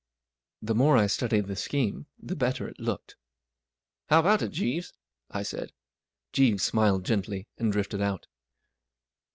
The more I studied the scheme, the better it looked. 44 How about it, Jeeves ?" I said. Jeeves smiled gently, and drifted out.